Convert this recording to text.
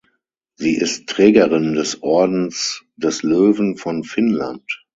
Sie ist Trägerin des Ordens des Löwen von Finnland.